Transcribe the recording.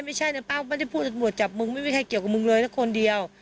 ไม่ใช่นะป้าไม่ได้พูดตำรวจจับมึงไม่มีใครเกี่ยวกับมึงเลยนะคนเดียว